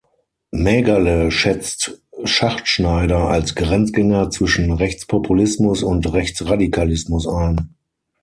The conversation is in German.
Maegerle schätzt Schachtschneider als „Grenzgänger zwischen Rechtspopulismus und Rechtsradikalismus“ ein.